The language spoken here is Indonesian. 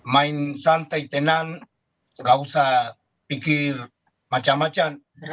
main santai tenan gak usah pikir macam macam